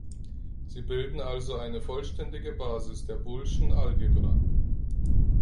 Sie bilden also eine vollständige Basis der booleschen Algebra.